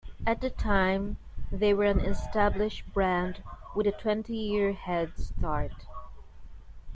At the time they were an established brand with a twenty-year head start.